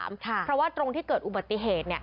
เพราะว่าตรงที่เกิดอุบัติเหตุ